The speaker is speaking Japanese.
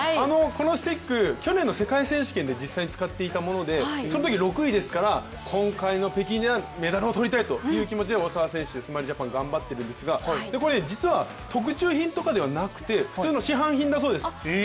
このスティック、去年の世界選手権で実際に使っていたものでそのとき６位ですから、今回の北京ではメダルを取りたいという気持ちで大澤選手、スマイルジャパン頑張っているんですが、これ実は特注品とかではなくて普通の市販品だそうです。